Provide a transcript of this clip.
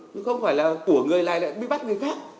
chứ không phải là của người này lại bị bắt người khác